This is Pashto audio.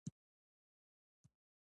لومړنۍ انګېرنه د ټکر وه.